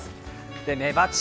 メバチ